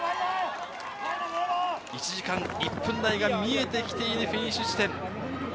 １時間１分台が見えてきているフィニッシュ地点。